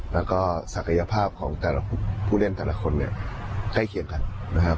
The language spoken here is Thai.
แล้วก็ศักยภาพของแต่ละผู้เล่นแต่ละคนเนี่ยใกล้เคียงกันนะครับ